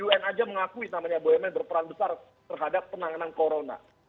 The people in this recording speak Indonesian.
un aja mengakui namanya bumn berperan besar terhadap penanganan corona